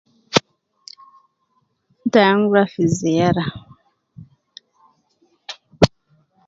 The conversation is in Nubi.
An tai an gi rua fi ziyara